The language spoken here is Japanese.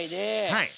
はい。